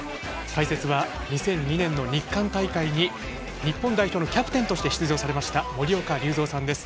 解説は２００２年の日韓大会に日本代表のキャプテンとして出場されました森岡隆三さんです。